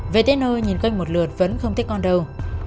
về tới nơi nhìn coi một lượt vẫn không thích con đâu